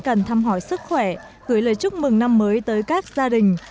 cần thăm hỏi sức khỏe gửi lời chúc mừng năm mới tới các gia đình